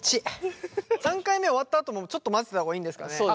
３回目終わったあともちょっと混ぜた方がいいんですかね？